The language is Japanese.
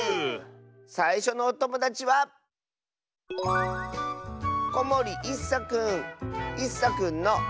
さいしょのおともだちはいっさくんの。